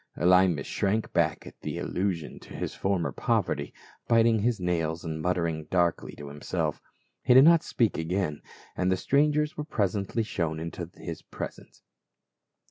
* Elymas shrank back at this allusion to his former poverty, biting his nails and muttering darkly to him self. He did not speak again, and the strangers were presently shown into the presence.